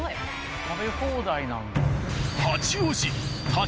食べ放題なんだ。